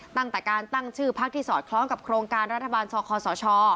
ตั้งแต่การตั้งชื่อพักที่สอดคล้องกับโครงการรัฐบาลชคสช